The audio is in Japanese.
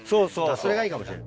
それがいいかもしれん。